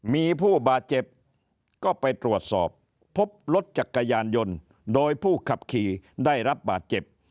มีผู้บาดเจ็บก็ไปตรวจสอบพบรถจักรยานยนต์โดยผู้ขับขี่ได้รับบาดเจ็บ